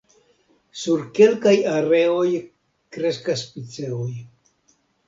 Sur kelkaj areoj kreskas piceoj.